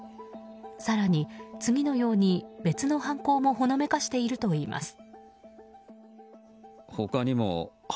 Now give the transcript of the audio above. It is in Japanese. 更に、次のように別の犯行もほのめかしているといいます。